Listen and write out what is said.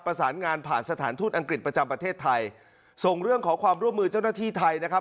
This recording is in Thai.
ประสานงานผ่านสถานทูตอังกฤษประจำประเทศไทยส่งเรื่องขอความร่วมมือเจ้าหน้าที่ไทยนะครับ